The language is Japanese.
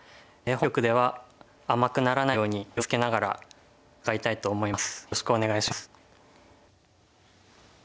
本局では甘くならないように気を付けながら戦いたいと思います。